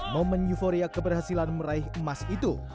momen euforia keberhasilan meraih emas itu